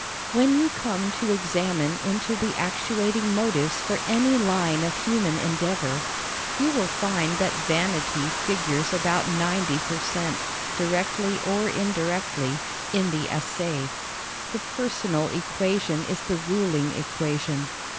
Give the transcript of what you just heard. When you come to examine into the actuating motives for any line of human endeavor you will find that vanity figures about ninety per cent, directly or indirectly, in the assay. The personal equation is the ruling equation.